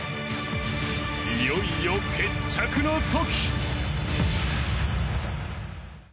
いよいよ決着の時！